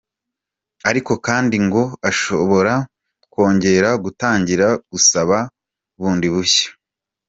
Ariko kandi ngo ashobora kongera gutangira gusaba bundi bushya.